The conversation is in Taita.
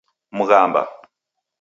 Mghamba